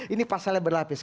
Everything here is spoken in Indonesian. ini pasalnya berlapis